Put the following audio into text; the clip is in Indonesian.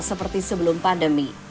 seperti sebelum pandemi